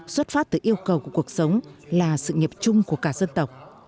xuất phát từ yêu cầu của cuộc sống là sự nghiệp chung của cả dân tộc